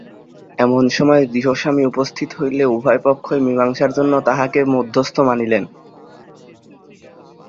এমন সময় গৃহস্বামী উপস্থিত হইলে উভয় পক্ষই মীমাংসার জন্য তাঁহাকে মধ্যস্থ মানিলেন।